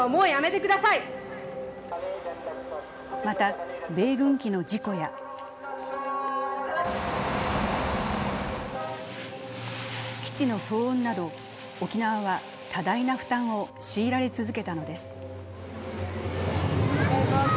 また米軍機の事故や基地の騒音など沖縄は多大な負担を強いられ続けたのです。